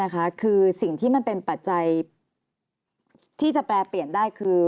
คือสิ่งที่มันเป็นปัจจัยที่จะแปรเปลี่ยนได้คือ